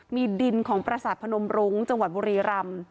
มีดินของประสาทพนมรุ้งจังหวัดบุรีรำ